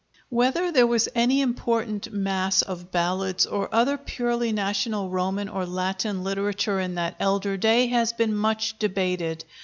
Whether there was any important mass of ballads or other purely national Roman or Latin literature in that elder day has been much debated.